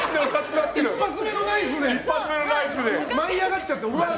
一発目のナイスで舞い上がっちゃって。